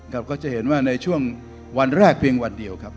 ก็จะเห็นว่าในช่วงวันแรกเพียงวันเดียวครับ